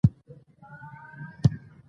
د شرابو پر خُمر و به د جوړوونکي نوم لیکل کېده